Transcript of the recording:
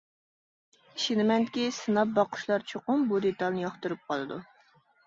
ئىشىنىمەنكى، سىناپ باققۇچىلار چوقۇم بۇ دېتالنى ياقتۇرۇپ قالىدۇ.